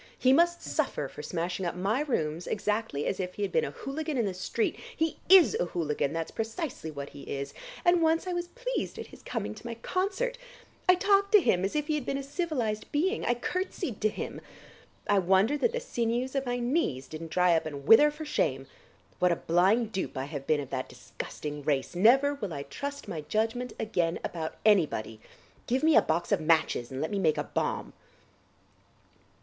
He must suffer for smashing up my rooms exactly as if he had been a hooligan in the street. He is a hooligan; that's precisely what he is, and once I was pleased at his coming to my concert. I talked to him as if he had been a civilised being, I curtsied to him. I wonder that the sinews of my knees didn't dry up and wither for shame. What a blind dupe I have been of that disgusting race! Never will I trust my judgment again about anybody.... Give me a box of matches and let me make a bomb."